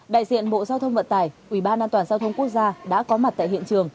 đại diện bộ giao thông vận tải ubnd giao thông quốc gia đã có mặt tại hiện trường